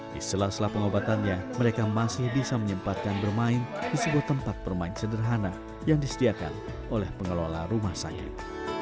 di sela sela pengobatannya mereka masih bisa menyempatkan bermain di sebuah tempat bermain sederhana yang disediakan oleh pengelola rumah sakit